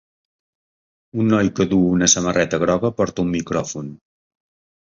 Un noi que duu una samarreta groga porta un micròfon.